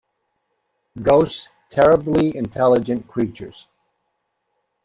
Ghosts Terribly intelligent creatures.